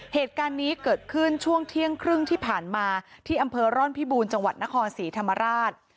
เหตุการณ์นี้เกิดขึ้นช่วงเที่ยงครึ่งที่ผ่านมาที่อำเภอร่อนพิบูรณ์จังหวัดนครศรีธรรมราช